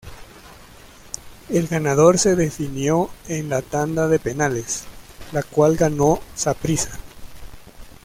El ganador se definió en la tanda de penales, la cual ganó Saprissa.